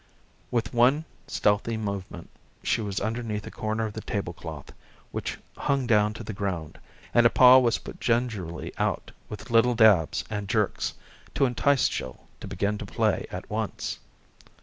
With one stealthy movement she was underneath a corner of the tablecloth, which hung down to the ground, and a paw was put gingerly out with little dabs and jerks to entice Jill to begin to play at once.